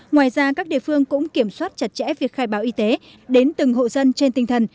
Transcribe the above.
ngoài ra các địa phương cũng kiểm soát chặt chẽ việc khai báo y tế đến từng hộ dân trên tinh thần